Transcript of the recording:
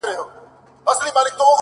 پرېولئ – په دې ترخو اوبو مو ځان مبارک-